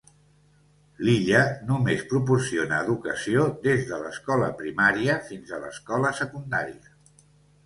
L'illa només proporciona educació des de l'escola primària fins a l'escola secundària.